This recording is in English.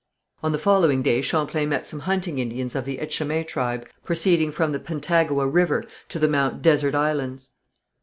On the following day Champlain met some hunting Indians of the Etchemin tribe, proceeding from the Pentagouet River to the Mount Desert Islands.